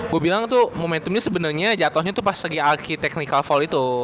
gue bilang tuh momentumnya sebenernya jatohnya tuh pas lagi arki technical fall itu